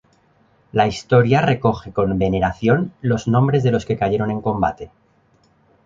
La historia recoge con veneración los nombres de los que cayeron en combate.